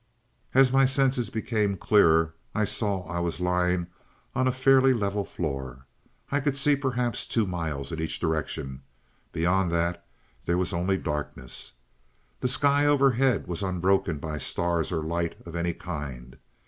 "As my senses became clearer I saw I was lying on a fairly level floor. I could see perhaps two miles in each direction. Beyond that there was only darkness. The sky overhead was unbroken by stars or light of any kind.